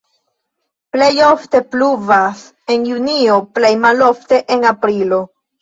Plej ofte pluvas en junio, plej malofte en aprilo.